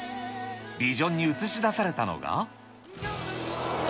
ビジョンに映し出されたのが。